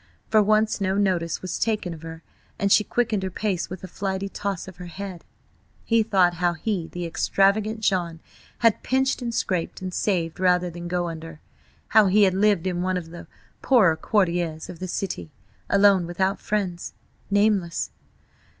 For once no notice was taken of her, and she quickened her pace with a flighty toss of her head. ... He thought how he, the extravagant John, had pinched and scraped and saved rather than go under; how he had lived in one of the poorer quartiers of the city, alone, without friends–nameless.